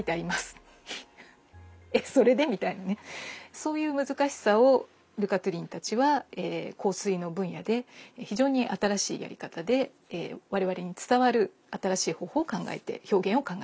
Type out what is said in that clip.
そういう難しさをルカ・トゥリンたちは香水の分野で非常に新しいやり方で我々に伝わる新しい方法を考えて表現を考えてくれたというところですね。